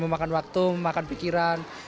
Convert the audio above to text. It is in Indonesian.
memakan waktu memakan pikiran